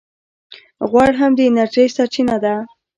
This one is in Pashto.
غوړ هم د انرژۍ سرچینه ده